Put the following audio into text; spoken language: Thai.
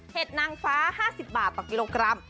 นางฟ้า๕๐บาทต่อกิโลกรัม